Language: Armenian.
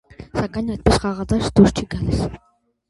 Սակայն այդպես էլ խաղադաշտ դուրս չի գալիս։